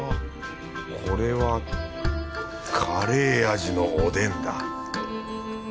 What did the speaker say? これはカレー味のおでんだ